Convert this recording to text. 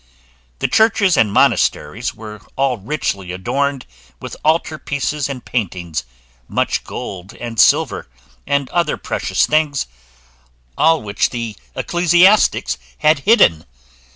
The churches and monasteries were all richly adorned with altar pieces and paintings, much gold and silver, and other precious things, all which the ecclesiastics had hidden.